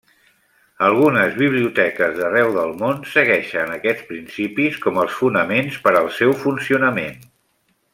Algunes biblioteques d’arreu del món segueixen aquests principis com els fonaments per al seu funcionament.